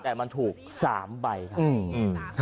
แต่มันถูกสามใบครับอืมอืม